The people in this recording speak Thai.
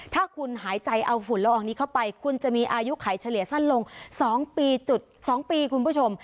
ถ้าคุณหายใจเอาฝุ่นละอองนี้เข้าไปคุณจะมีอายุไขเฉลี่ยสั้นลง๒ปีจุด๒ปีคุณผู้ชม